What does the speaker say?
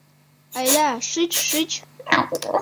— Айда шич-шич.